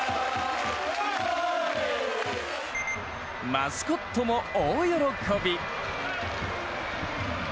マスコットも大喜び。